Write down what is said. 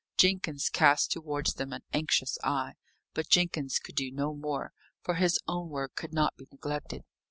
Jenkins cast towards them an anxious eye, but Jenkins could do no more, for his own work could not be neglected.